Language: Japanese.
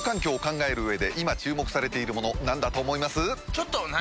ちょっと何？